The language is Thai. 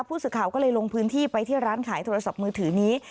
ผู้สื่อข่าวก็เลยลงพื้นที่ไปที่ร้านขายโทรศัพท์มือถือนี้